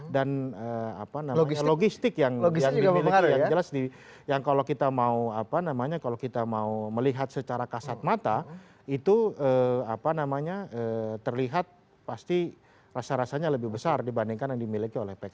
dan apa namanya logistik yang dimiliki yang jelas di yang kalau kita mau apa namanya kalau kita mau melihat secara kasat mata itu apa namanya terlihat pasti rasa rasanya lebih besar dibandingkan yang dimiliki oleh pks